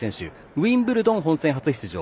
ウィンブルドン本戦初出場。